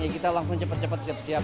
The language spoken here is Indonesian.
kita langsung cepat cepat siap siap